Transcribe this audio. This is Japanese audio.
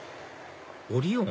オリオン？